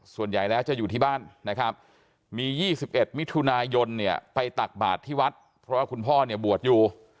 ส่วนใหญ่แล้วจะอยู่ที่บ้านนะครับมี๒๑มิถุนายนเนี่ยไปตักบาทที่วัดเพราะว่าคุณพ่อเนี่ยบวชอยู่